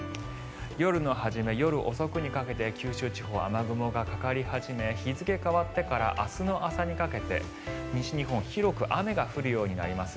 夜の初め、夜遅くにかけて九州地方は雨雲がかかり始め日付が変わってから明日の朝にかけて西日本広く雨が降るようになります。